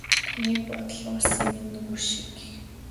Таны бодол уулсын минь нөмөр шиг.